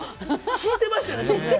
引いてましたよね。